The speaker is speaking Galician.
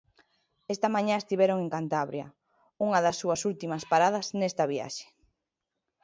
Esta mañá estiveron en Cantabria, unha das súas últimas paradas nesta viaxe.